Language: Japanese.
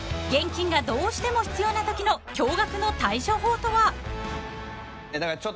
［現金がどうしても必要なときの驚愕の対処法とは？